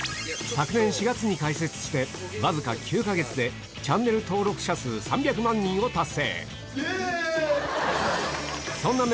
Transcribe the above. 昨年４月に開設して、僅か９か月でチャンネル登録者数３００万人を達成。